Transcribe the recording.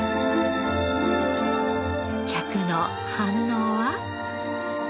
客の反応は？